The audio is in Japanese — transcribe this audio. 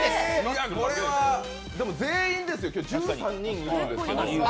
でも全員ですよ、今日１３人いるんですけど。